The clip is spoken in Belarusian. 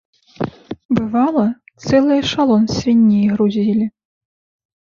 Бывала, цэлы эшалон свіней грузілі.